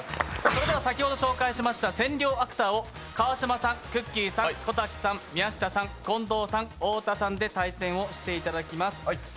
それでは先ほど紹介しました千両アクターを川島さん、くっきー！さん小瀧さん、宮下さん、近藤さん、太田さんで対戦をしていただきます。